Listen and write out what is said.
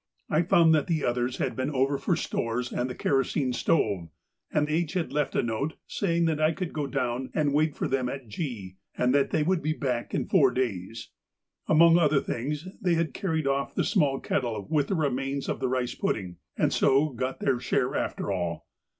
I found that the others had been over for stores and the kerosene stove, and H. had left a note saying that I could go down and wait for them at G, and that they would be back in four days. Among other things they had carried off the small kettle with the remains of the rice pudding, and so got their share after all.